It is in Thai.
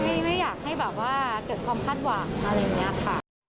ไม่อยากให้แบบว่าเกิดความคาดหวังอะไรอย่างนี้ค่ะ